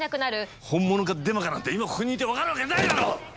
本物かデマかなんて今ここにいて分かるわけないだろ！